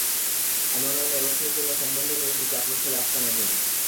আমি ওনার মেয়ে রশনির জন্য সম্বন্ধ নিয়ে এসেছি আপনার ছেলে আফসানের জন্য।